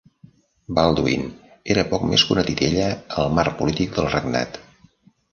Baldwin era poc més que una titella al marc polític del regnat.